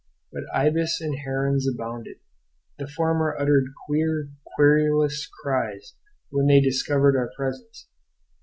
But ibis and herons abounded; the former uttered queer, querulous cries when they discovered our presence.